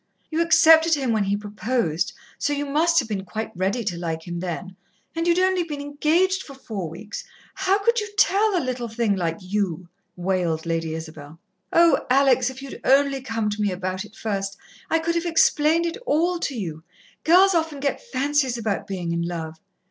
You accepted him when he proposed, so you must have been quite ready to like him then, and you'd only been engaged for four weeks. How could you tell a little thing like you?" wailed Lady Isabel. "Oh, Alex, if you'd only come to me about it first I could have explained it all to you girls often get fancies about being in love."